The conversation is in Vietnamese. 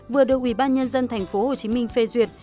vừa đưa quy bán nhân dân tp hcm phê duyệt